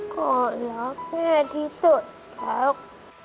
ขอรักแม่ที่สุดครับ